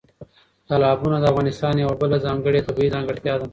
تالابونه د افغانستان یوه بله ځانګړې طبیعي ځانګړتیا ده.